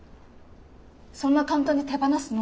そんな簡単に手放すの？